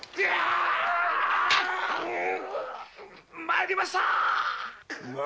まいりました。